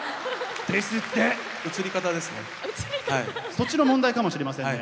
そっちの問題かもしれませんね。